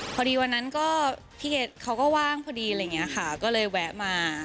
พอดีวันนั้นพี่เอ็ดเขาก็ว่างพอดีเลยแวะมา